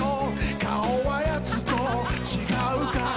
「顔は奴と違うから」